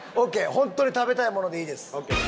本当に食べたいものでいいです。